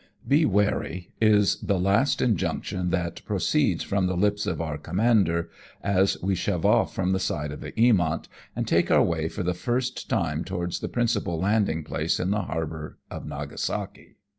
" Be wary," is the last injunction that proceeds from the lips of our comufander, as we shove off from the side of the Eamont, and take our way for the first time towards the principal landing place in the harbour of Nagasaki.